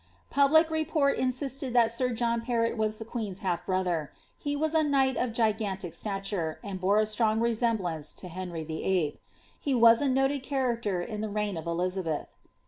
Public report insisted that sir John Perrot was the queen's half bro ther. He was a knight of gigantic stature, and bore a strong resem« Uance to Henry VHl. He was a noted character in the reign of Elizabeth.